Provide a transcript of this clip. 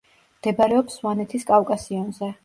მდებარეობს სვანეთის კავკასიონზე.